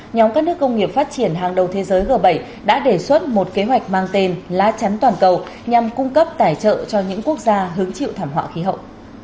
nhóm các nước công nghiệp phát triển hàng đầu thế giới g bảy đã đề xuất một kế hoạch mang tên lá chắn toàn cầu nhằm cung cấp tài trợ cho những quốc gia hứng chịu thảm họa khí hậu